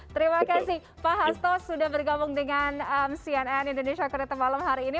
terima kasih pak hasto sudah bergabung dengan cnn indonesia connected malam hari ini